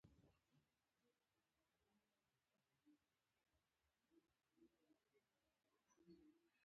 مالیه د ټولنیزو خدماتو تمویل کوي.